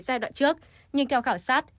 giai đoạn trước nhưng theo khảo sát